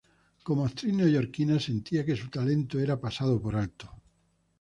Como actriz neoyorquina, sentía que su talento era pasado por alto.